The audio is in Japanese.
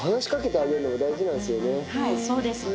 はいそうですね。